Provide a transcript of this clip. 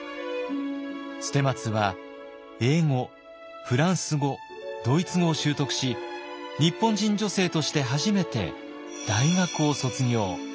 捨松は英語フランス語ドイツ語を習得し日本人女性として初めて大学を卒業。